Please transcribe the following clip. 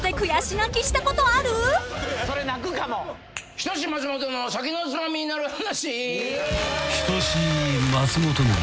『人志松本の酒のツマミになる話』